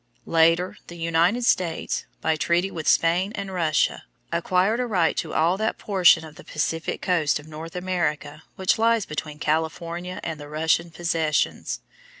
Later the United States, by treaty with Spain and Russia, acquired a right to all that portion of the Pacific coast of North America which lies between California and the Russian possessions.